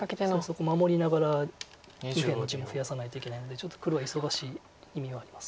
そこ守りながら右辺の地も増やさないといけないのでちょっと黒は忙しい意味はあります。